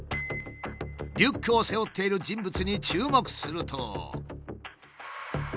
リュックを背負っている人物に注目すると。